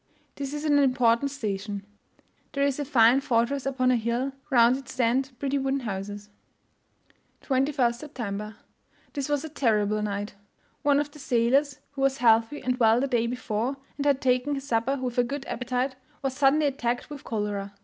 This is an important station; there is a fine fortress upon a hill round it stand pretty wooden houses. 21st September. This was a terrible night! One of the sailors, who was healthy and well the day before, and had taken his supper with a good appetite, was suddenly attacked with cholera.